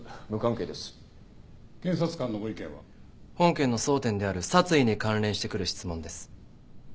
本件の争点である殺意に関連してくる質問です。